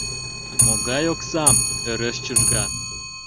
— Могай оксам? — ӧреш Чужган.